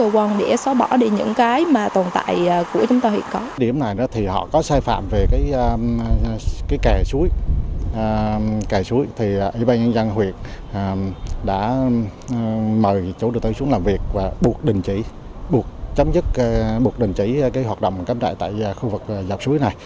và buộc đình chỉ buộc chấm dứt buộc đình chỉ cái hoạt động cắm trại tại khu vực dọc suối này